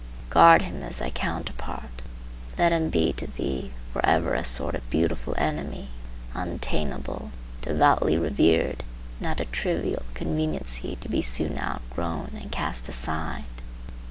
Guard him as thy counterpart. Let him be to thee for ever a sort of beautiful enemy, untamable, devoutly revered, and not a trivial conveniency to be soon outgrown and cast aside.